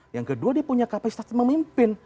yang kedua dia punya kapasitas memimpin